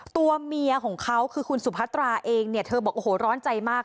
ตัวเมียของเขาคือคุณสุพัตราเองเนี่ยเธอบอกโอ้โหร้อนใจมาก